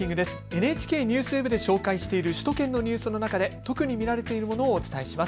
ＮＨＫＮＥＷＳＷＥＢで紹介している首都圏のニュースの中で特に見られているものをお伝えします。